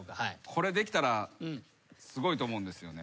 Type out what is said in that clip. これできたらすごいと思うんですよね。